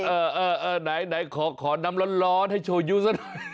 เออไหนขอน้ำร้อนให้โชยุซะหน่อย